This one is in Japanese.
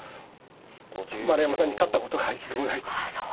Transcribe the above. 丸山さんに勝ったことが一度もないって。